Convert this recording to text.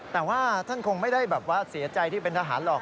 แต่ว่าท่านคงไม่ได้แบบว่าเสียใจที่เป็นทหารหรอก